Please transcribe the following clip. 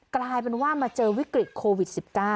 กลายเป็นว่ามาเจอวิกฤตโควิด๑๙